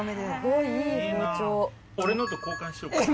俺のと交換しようよ。